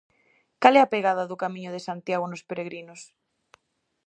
Cal é a pegada do Camiño de Santiago nos peregrinos?